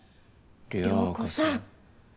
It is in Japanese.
涼子さん。